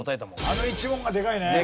あの１問がでかいね。